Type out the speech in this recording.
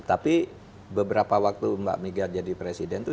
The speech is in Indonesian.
tapi beberapa waktu mbak mega jadi presiden itu